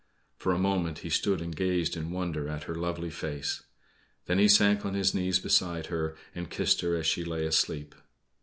For a moment he stood and gazed in wonder at her lovely face; then he sank on his knees beside her, and kissed her as she lay asleep.